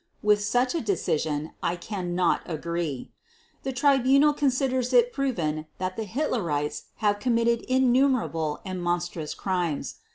With such a decision I cannot agree. The Tribunal considers it proven that the Hitlerites have committed innumerable and monstrous crimes.